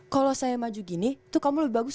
kalau saya maju gini tuh kamu lebih bagus